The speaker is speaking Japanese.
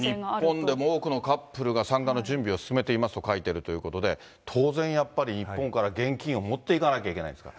日本でも多くのカップルが参加の準備を進めていますと書いてるということで、当然やっぱり、日本から現金を持っていかなきゃいけないんですか。